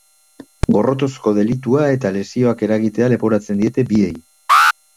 Gorrotozko delitua eta lesioak eragitea leporatzen diete biei.